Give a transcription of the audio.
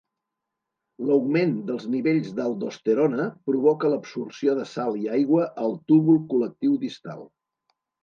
L'augment dels nivells d'aldosterona provoca l'absorció de sal i aigua al túbul col·lectiu distal.